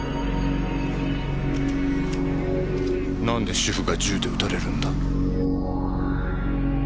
何で主婦が銃で撃たれるんだ？